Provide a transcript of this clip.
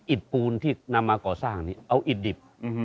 ปูนที่นำมาก่อสร้างนี่เอาอิดดิบ